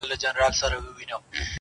یوه نه زر خاطرې -